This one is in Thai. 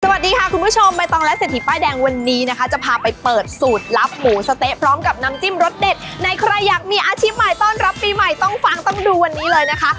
สวัสดีค่ะคุณผู้ชมใบตองและเศรษฐีป้ายแดงวันนี้นะคะจะพาไปเปิดสูตรลับหมูสะเต๊ะพร้อมกับน้ำจิ้มรสเด็ดในใครอยากมีอาชีพใหม่ต้อนรับปีใหม่ต้องฟังต้องดูวันนี้เลยนะคะ